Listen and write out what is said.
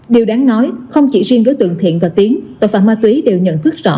điều đáng nói không chỉ riêng đối tượng thiện và tiến tội phạm ma túy đều nhận thức rõ